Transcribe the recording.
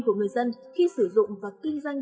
của người dân khi sử dụng và kinh doanh